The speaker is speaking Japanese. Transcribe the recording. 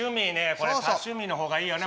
これ多趣味の方がいいよね